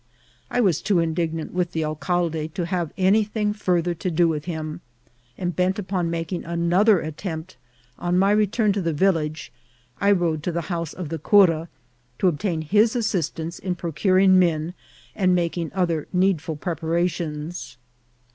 I was too indignant with the alcalde to have anything farther to do with him ; and bent upon making another attempt, on my return to the village I rode to the house of the cura, to obtain his assistance in procuring men and making other needful preparations.